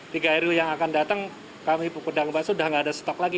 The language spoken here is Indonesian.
tiga hari dulu yang akan datang kami buku daging bakso sudah nggak ada stok lagi